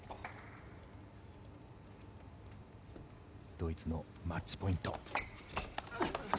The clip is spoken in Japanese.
ドイツのマッチポイント。